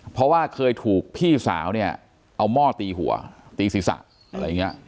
เพราะว่าเคยถูกพี่สาวเนี่ยเอาหม้อตีหัวตีศีรษะอะไรอย่างนี้